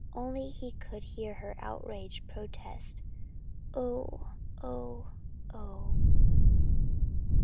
Only he could hear her outraged protest "Oh! Oh! Oh!"